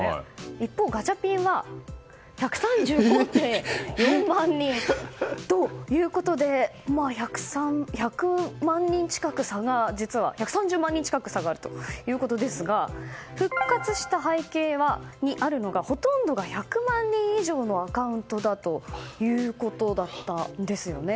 一方、ガチャピンは１３５．４万人ということで１３０万人近く差があるということですが復活した背景にあるのがほとんどが１００万人以上のアカウントだということだったんですよね。